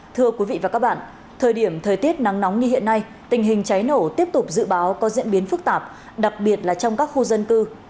thưa quý vị và các bạn thời điểm thời tiết nắng nóng như hiện nay tình hình cháy nổ tiếp tục dự báo có diễn biến phức tạp đặc biệt là trong các khu dân cư